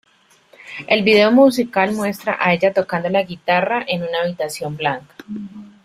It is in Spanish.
El vídeo musical muestra a ella tocando la guitarra en una habitación blanca.